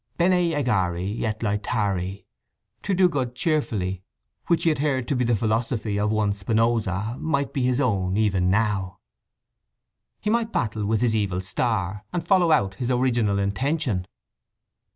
Bene agere et lætari—to do good cheerfully—which he had heard to be the philosophy of one Spinoza, might be his own even now. He might battle with his evil star, and follow out his original intention.